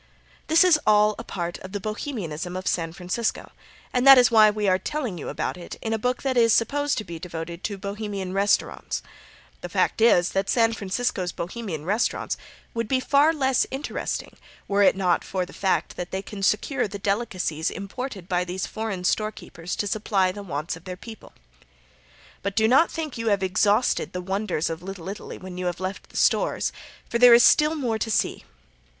This is all a part of the Bohemianism of San Francisco, and that is why we are telling you about it in a book that is supposed to be devoted to the Bohemian restaurants. The fact is that San Francisco's Bohemian restaurants would be far less interesting were it not for the fact that they can secure the delicacies imported by these foreign storekeepers to supply the wants of their people. But do not think you have exhausted the wonders of Little Italy when you have left the stores, for there is still more to see.